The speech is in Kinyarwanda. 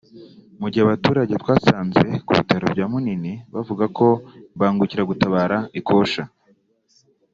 Mu gihe abaturage twasanze ku bitaro bya Munini bavuga ko imbangukiragutabara ikosha